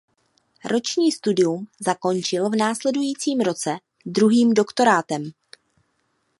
Roční studium zakončil v následujícím roce druhým doktorátem.